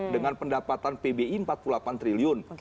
dengan pendapatan pbi empat puluh delapan triliun